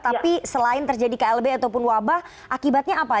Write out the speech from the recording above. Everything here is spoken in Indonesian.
tapi selain terjadi klb ataupun wabah akibatnya apa